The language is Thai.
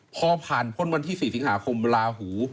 พอผ่านพ้นวันที่๔สิงหาคมลาหู